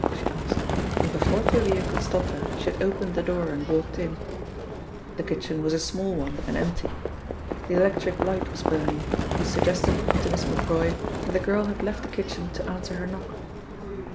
she asked, and before Thalia could stop her she had opened the door and walked in. The kitchen was a small one and empty. The electric light was burning, which suggested to Miss Macroy that the girl had left the kitchen to answer her knock.